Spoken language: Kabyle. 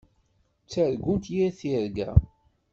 Ttargunt yir tirga.